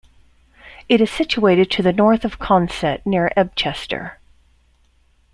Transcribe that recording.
It is situated to the north of Consett, near Ebchester.